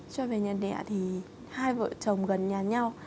cho về nhà địa thì hai vợ chồng gần nhà nhau